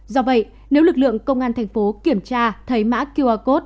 do vậy nếu lực lượng công an tp hcm kiểm tra thấy mã qr code